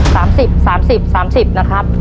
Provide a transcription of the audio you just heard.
สามสิบสามสิบสามสิบนะครับ